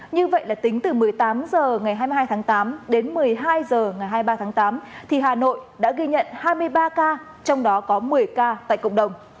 như vậy là tính từ một mươi tám h ngày hai mươi hai tháng tám đến một mươi hai h ngày hai mươi ba tháng tám thì hà nội đã ghi nhận hai mươi ba ca trong đó có một mươi ca tại cộng đồng